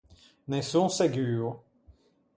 Ne son seguo.